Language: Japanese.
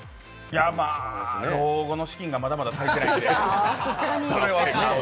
まあ老後の資金がまだまだ足りてないんで、それは。